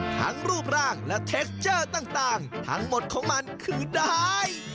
รูปร่างและเทคเจอร์ต่างทั้งหมดของมันคือได้